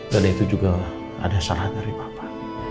dan itu juga ada salah dari papa